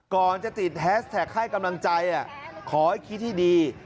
ก่อนจะติดแฮสแท็กให้กำลังใจขอให้คิดให้ดี